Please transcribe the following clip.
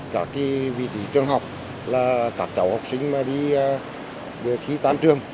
cả vị trí trường học là các cháu học sinh mà đi đưa khí tan trường